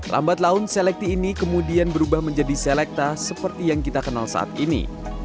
lambat laun selekti ini kemudian berubah menjadi selekta seperti yang kita kenal saat ini